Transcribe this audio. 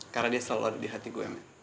karena dia selalu ada di hati gue men